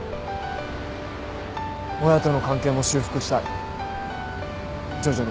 親との関係も修復したい徐々に。